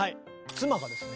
妻がですね